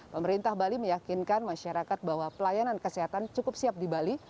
pemerintah bali meyakinkan masyarakat bahwa pelayanan kesehatan cukup siap di bali